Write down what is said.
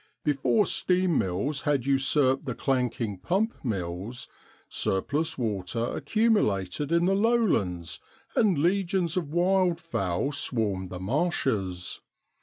Before steam mills had usurped the clanking pump mills, surplus water accumulated in the lowlands, and legions of wild fowl swarmed the marshes.